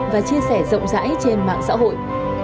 và chia sẻ rộng rãi trên mạng xã hội